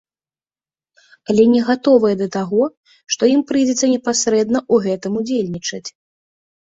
Але не гатовыя да таго, што ім прыйдзецца непасрэдна ў гэтым удзельнічаць.